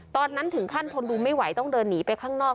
ตอนนั้นถึงขั้นทนดูไม่ไหวต้องเดินหนีไปข้างนอก